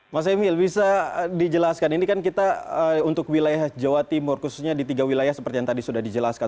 mas emil bisa dijelaskan ini kan kita untuk wilayah jawa timur khususnya di tiga wilayah seperti yang tadi sudah dijelaskan